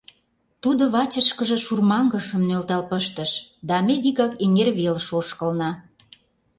Тудо вачышкыже шурмаҥышым нӧлтал пыштыш да ме вигак эҥер велыш ошкылна.